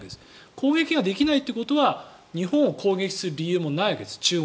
攻撃ができないということは日本を攻撃する理由も中国にはないです。